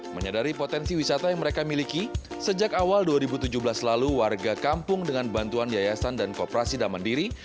menyadari potensi wisata yang mereka miliki sejak awal dua ribu tujuh belas lalu warga kampung dengan bantuan yayasan dan kooperasi dan mandiri